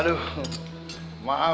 dari siapa ini